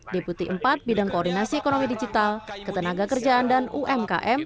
deputi empat bidang koordinasi ekonomi digital ketenaga kerjaan dan umkm